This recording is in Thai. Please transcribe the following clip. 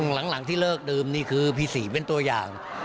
หลังที่เลิกเดิมนี่คือพี่ศรีเป็นตัวอย่าง